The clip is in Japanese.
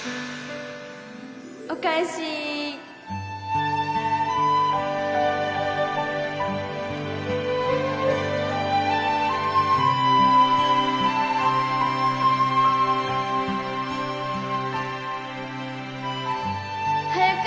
お返し。早く！